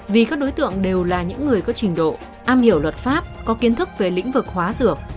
vì các đối tượng đều là những người có trình độ am hiểu luật pháp có kiến thức về lĩnh vực hóa dược